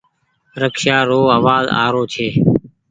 رڪسيا رو آواز آ رو ڇي۔